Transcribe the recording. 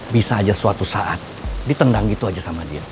bisa aja suatu saat ditendang gitu aja sama dia